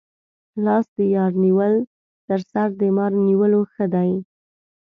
لاس د یار نیول تر سر د مار نیولو ښه دي.